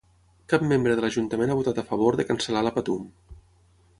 Cap membre de l'Ajuntament ha votat a favor de cancel·lar la Patum.